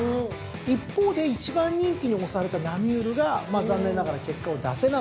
一方で１番人気に推されたナミュールが残念ながら結果を出せなかったと。